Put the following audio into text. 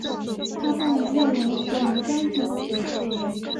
他被任为虎牙将军。